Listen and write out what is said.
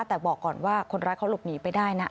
แต่บอกก่อนว่าคนร้ายเขาหลบหนีไปได้นะ